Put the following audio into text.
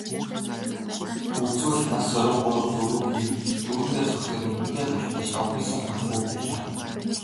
Үзвэл, нас хорин гурав дөрөв хэр, нүүрэндээ цогтой, нүдэндээ галтай, шавхийсэн хархүү байлаа.